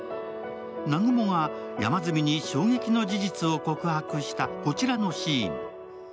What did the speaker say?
南雲が山住に衝撃の事実を告白したこちらのシーン。